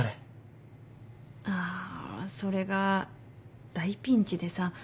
あそれが大ピンチでさ。